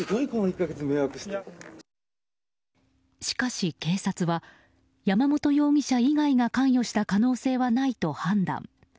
しかし、警察は山本容疑者以外が関与した可能性はないと判断。